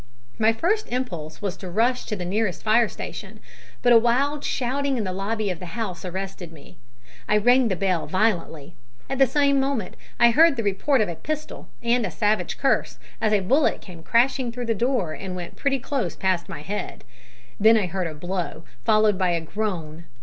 My first impulse was to rush to the nearest fire station; but a wild shouting in the lobby of the house arrested me. I rang the bell violently. At the same moment I heard the report of a pistol, and a savage curse, as a bullet came crashing through the door and went close past my head. Then I heard a blow, followed by a groan.